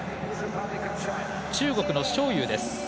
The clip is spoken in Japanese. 中国の章勇です。